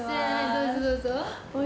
どうぞどうぞ。